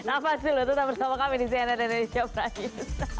apasih lo tetap bersama kami di cnn indonesia prajurit